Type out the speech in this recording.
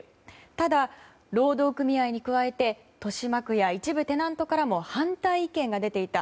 ただ、労働組合に加えて豊島区や一部テナントからも反対意見が出ていた。